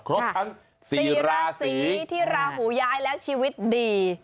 ครบทั้ง๔ราศีที่ราหูย้ายแล้วชีวิตดี